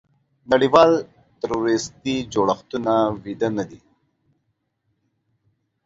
نړیوال تروریستي جوړښتونه ویده نه دي.